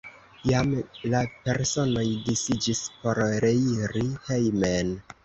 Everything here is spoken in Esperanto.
Jam la personoj disiĝis por reiri hejmen.